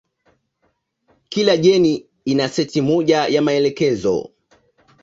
Kila jeni ina seti moja ya maelekezo.